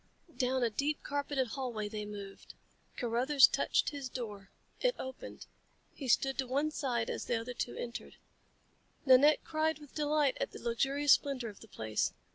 Down a deep carpeted hallway they moved. Carruthers touched his door. It opened. He stood to one side as the other two entered. Nanette cried with delight at the luxurious splendor of the place.